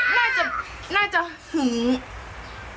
เขาน่าจะถึง